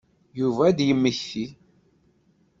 Yuba ad d-yemmekti.